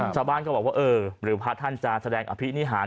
ชาวบ้านก็บอกว่าเออหรือพระท่านจะแสดงอภินิหาร